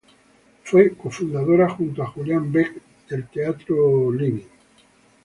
Fue cofundadora junto a Julian Beck de The Living Theatre.